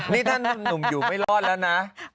นี่ถ้านุ่มอยู่ไม่รอดแล้วนะ